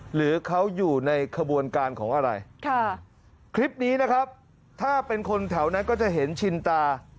หรือเขาอยู่ในขบวนการของอะไรค่ะคลิปนี้นะครับถ้าเป็นคนแถวนั้นก็จะเห็นชินตา